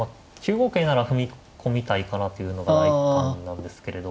五桂なら踏み込みたいかなというのが第一感なんですけれど。